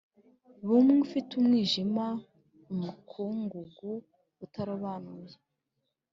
ba umwe ufite umwijima, umukungugu utarobanuye.